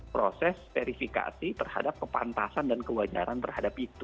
proses verifikasi terhadap kepantasan dan kewajaran terhadap itu